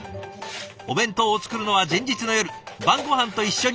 お弁当を作るのは前日の夜晩ごはんと一緒に。